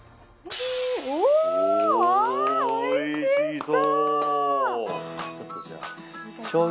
おいしそう。